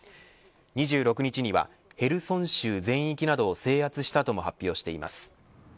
２６日にはヘルソン州全域などを制圧したとも発表しています。